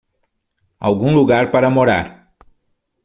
Algum lugar para morar!